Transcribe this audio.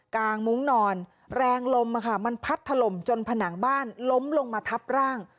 มุ้งนอนแรงลมมันพัดถล่มจนผนังบ้านล้มลงมาทับร่าง